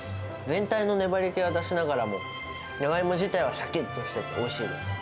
全体の粘りけは出しながらも、長芋自体はしゃきっとしてておいしいです。